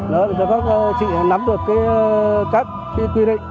để cho các chị nắm được các quy định